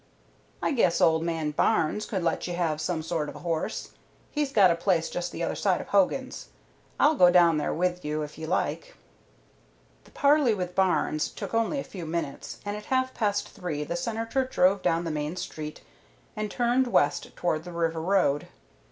"I guess old man Barnes could let you have some sort of a horse. He's got a place just the other side of Hogan's. I'll go down there with you if you like." The parley with Barnes took only a few minutes, and at half past three the Senator drove down the main street and turned west toward the river road.